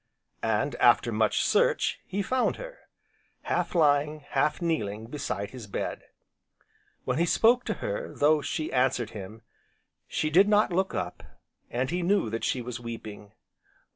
And, after much search, he found her half lying, half kneeling beside his bed. When he spoke to her, though she answered him, she did not look up, and he knew that she was weeping.